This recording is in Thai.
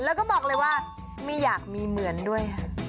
แล้วก็บอกเลยว่าไม่อยากมีเหมือนด้วย